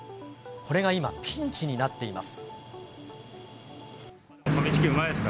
これが今、ピンチになっています。